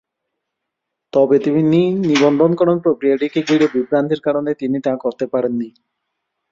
তবে নিবন্ধকরণ প্রক্রিয়াটিকে ঘিরে বিভ্রান্তির কারণে তিনি তা করতে পারেন নি।